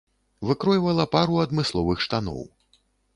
Выкройвала пару адмысловых штаноў.